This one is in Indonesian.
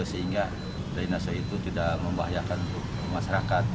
sehingga drainase itu tidak membahayakan untuk masyarakat